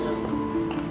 berarti kepalanya kejenet